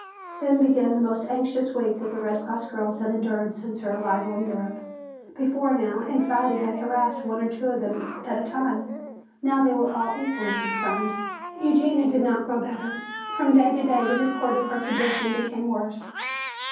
Then began the most anxious week that the American Red Cross girls had endured since their arrival in Europe. Before now anxiety had harassed one or two of them at a time. Now they were all equally concerned. Eugenia did not grow better. From day to day the report of her condition became worse.